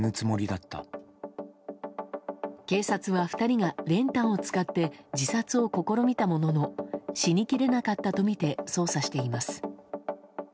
警察は２人が練炭を使って自殺を試みたものの死にきれなかったとみて捜査しています。